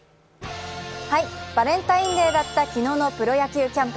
バレンタインデーだった昨日のプロ野球キャンプ。